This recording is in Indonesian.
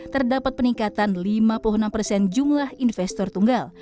terdapat peningkatan lima puluh enam persen jumlah investor tunggal